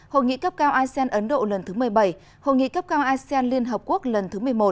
hội nghị cấp cao asean ấn độ lần thứ một mươi bảy hội nghị cấp cao asean liên hợp quốc lần thứ một mươi một